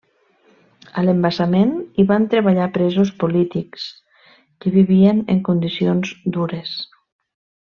A l'embassament hi van treballar presos polítics, que vivien en condicions dures.